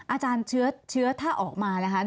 อาจารย์เชื้อถ้าออกมานะคะ